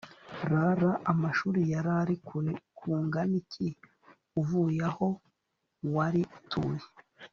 rr amashuri yari ari kure kungana iki uvuye aho wari utuye